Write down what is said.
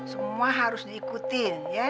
semua harus diikutin